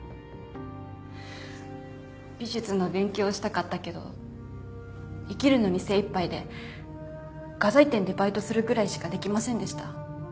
美術の勉強をしたかったけど生きるのに精いっぱいで画材店でバイトするぐらいしかできませんでした。